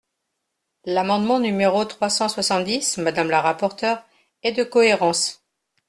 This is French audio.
L’amendement numéro trois cent soixante-dix, madame la rapporteure, est de cohérence.